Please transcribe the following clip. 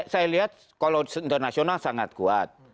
saya lihat kalau internasional sangat kuat